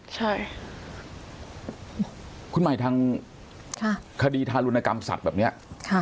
ใช่คุณใหม่ทางคดีทารุณกรรมสัตว์แบบนี้